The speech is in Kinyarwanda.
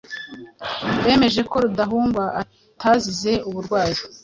bemeje ko Rudahugwa atazize uburwayi.